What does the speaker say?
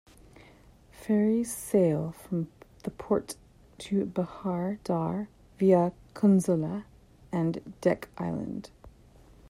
Ferries sail from the port to Bahir Dar via Kunzela and Dek Island.